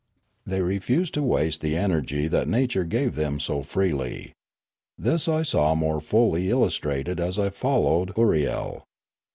They refused to waste the energy that nature gave them so freely. This I saw more fully illustrated as I followed Ooriel.